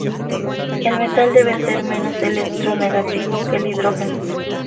El metal debe ser menos electronegativo que el hidrógeno.